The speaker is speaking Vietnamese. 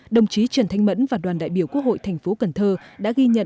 đồng chí trần thanh mẫn và đoàn đại biểu quốc hội tp cần thơ đã ghi nhận